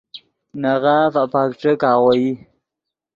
نے غاف اپک ݯیک آغوئی